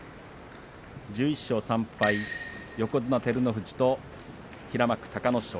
１１勝３敗、横綱照ノ富士と平幕隆の勝。